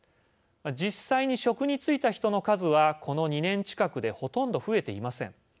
実際に職に就いた人の数はこの２年近くでほとんど増えていません。